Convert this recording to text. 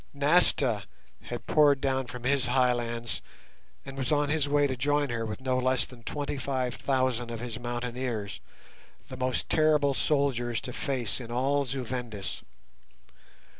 Nasta had poured down from his highlands and was on his way to join her with no less than twenty five thousand of his mountaineers, the most terrible soldiers to face in all Zu Vendis.